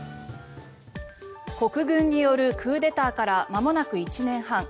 国軍によるクーデターからまもなく１年半。